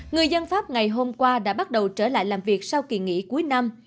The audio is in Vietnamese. người dân pháp ngày hôm qua đã bắt đầu trở lại làm việc sau kỳ nghỉ cuối năm